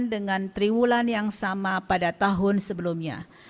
dibandingkan dengan tiga bulan yang sama pada tahun sebelumnya